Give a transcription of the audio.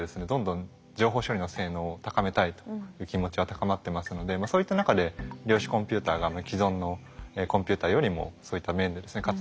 どんどん情報処理の性能を高めたいという気持ちは高まってますのでそういった中で量子コンピューターが既存のコンピューターよりもそういった面でですね